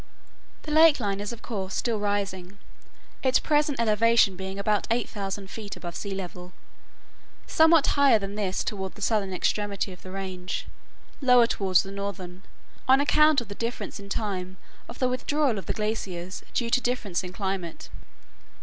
The lake line is of course still rising, its present elevation being about 8000 feet above sea level; somewhat higher than this toward the southern extremity of the range, lower toward the northern, on account of the difference in time of the withdrawal of the glaciers, due to difference in climate.